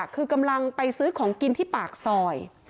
คือกำลังไปซื้อของกินที่ปากซอย